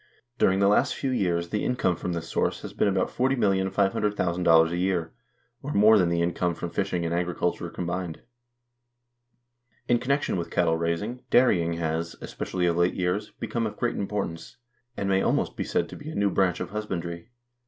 During the last few years the income from this source has been about $40,500,000 a year, or more than the income from fishing and agriculture combined. In connection with cattle raising, dairy ing has, especially of late years, become of great importance, and may almost be said to be a new branch of husbandry.